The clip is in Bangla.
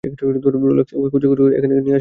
রোলেক্স, ওকে খোঁজাখুঁজি করে এখানে নিয়ে আসাটা কঠিন।